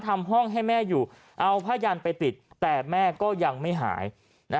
ทำห้องให้แม่อยู่เอาผ้ายันไปติดแต่แม่ก็ยังไม่หาย